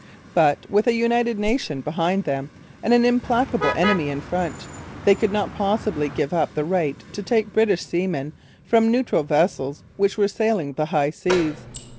But, with a united nation behind them and an implacable enemy in front, they could not possibly give up the right to take British seamen from neutral vessels which were sailing the high seas.